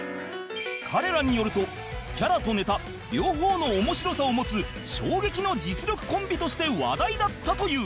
彼らによるとキャラとネタ両方の面白さを持つ衝撃の実力コンビとして話題だったという